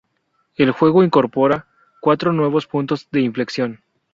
El juego incorpora cuatro nuevos puntos de inflexión.